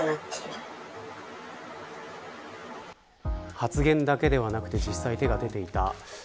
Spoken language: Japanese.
発言だけではなくて実際手が出ていた。